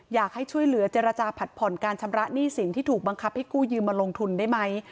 อยากให้ช่วยเหลือเจรจาผัดผ่อนการชำระหนี้สินที่ถูกบังคับให้กู้ยืมมาลงทุนได้ไหม